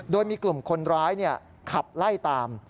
โดยมีกลุ่มคนร้ายขับไล่ตาม